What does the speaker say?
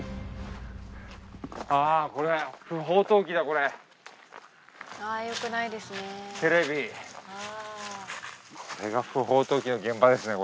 あぁこれこれが不法投棄の現場ですね。